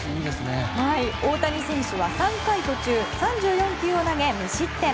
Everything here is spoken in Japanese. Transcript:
大谷選手は、３回途中３４球を投げ無失点。